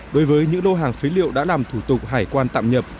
đối với những lô hàng phế liệu đã làm thủ tục hải quan tạm nhập